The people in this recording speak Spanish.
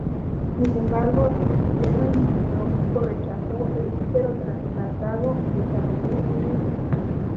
Sin embargo, su sistema inmunológico rechazó el útero trasplantado y desarrolló una infección.